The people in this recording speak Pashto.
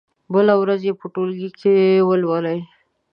بله ورځ يې په ټولګي کې ولولئ.